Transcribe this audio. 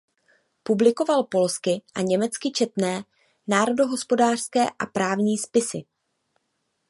Publikoval polsky a německy četné národohospodářské a právní spisy.